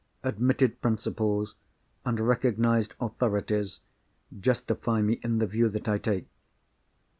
Admitted principles, and recognised authorities, justify me in the view that I take.